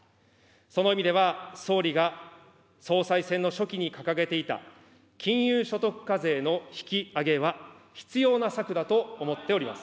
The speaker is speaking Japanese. その意味では総理が総裁選の初期に掲げていた金融所得課税の引き上げは必要な策だと思っております。